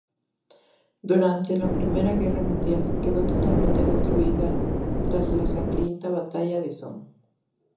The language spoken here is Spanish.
Durante la Primera Guerra Mundial, quedó totalmente destruida tras la sangrienta batalla del Somme.